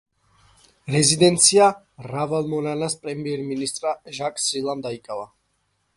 რეზიდენცია რავალომანანას პრემიერ-მინისტრმა, ჟაკ სილამ დაიკავა.